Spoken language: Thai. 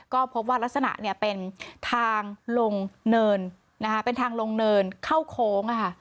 ก็พบว่ารักษณะเป็นทางลงเนินเป็นทางลงเนินเข้าโค้ง